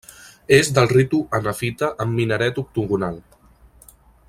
És del ritu hanefita amb minaret octogonal.